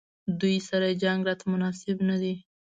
دوی سره جنګ راته مناسب نه دی.